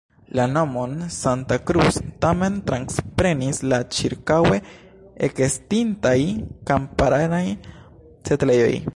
La nomon "Santa Cruz" tamen transprenis la ĉirkaŭe ekestintaj kamparanaj setlejoj.